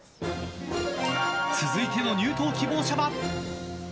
続いての入党希望者は。